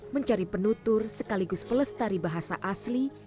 mencari penutur sekaligus pelestari bahasa asli